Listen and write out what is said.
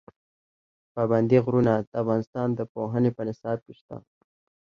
پابندي غرونه د افغانستان د پوهنې په نصاب کې شته.